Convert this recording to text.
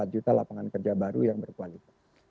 empat juta lapangan kerja baru yang berkualitas